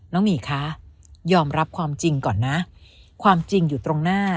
หมีคะยอมรับความจริงก่อนนะความจริงอยู่ตรงหน้า